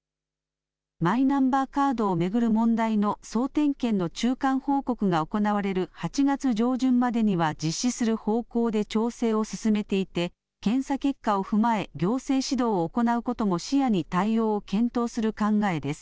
マイナンバーカードを巡る問題の総点検の中間報告が行われる８月上旬までには実施する方向で調整を進めていて、検査結果を踏まえ、行政指導を行うことも視野に対応を検討する考えです。